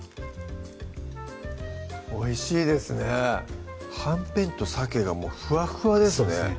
おいしいですねはんぺんとさけがもうふわっふわですね